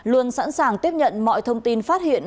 luôn sẵn sàng tiếp nhận mọi thông tin phát hiện